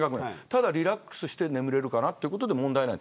ただリラックスして眠れるということで問題ない。